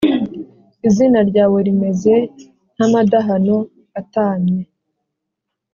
Izina ryawe rimeze nk’amadahano atāmye